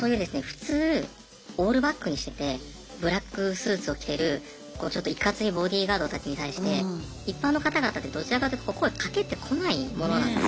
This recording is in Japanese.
普通オールバックにしててブラックスーツを着てるちょっといかついボディーガードたちに対して一般の方々ってどちらかというと声かけてこないものなんですね。